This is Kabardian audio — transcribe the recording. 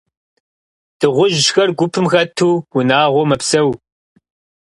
Дыгъужьхэр гупым хэту, унагъуэу мэпсэу.